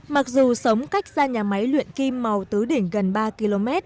mặc dù sống cách ra nhà máy luyện kim màu tứ đỉnh gần ba km